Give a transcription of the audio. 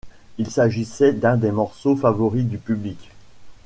Il s'agissait d'un des morceaux favoris du public.